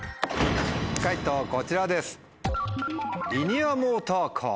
解答こちらです。